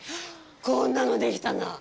こんなのできたんだ！